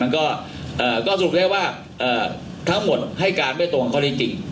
มันก็เอ่อก็สรุปแรกว่าเอ่อทั้งหมดให้การไม่ตรงกับคนที่จริง